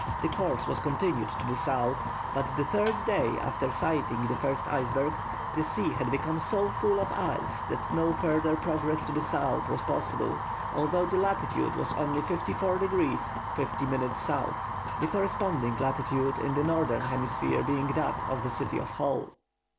The course was continued to the south, but the third day after sighting the first berg the sea had become so full of ice that no further progress to the south was possible, although the latitude was only 54° 50' S., the corresponding latitude in the northern hemisphere being that of the city of Hull.